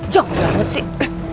jodoh banget sih